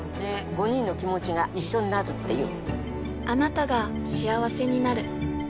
５人の気持ちが一緒になるっていう。